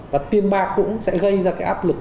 và tiền bạc cũng sẽ gây ra cái áp lực